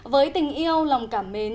với tình yêu lòng cảm mến